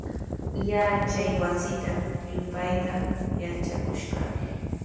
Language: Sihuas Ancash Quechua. Yachaywasitraw yupayta yatrakushqanami.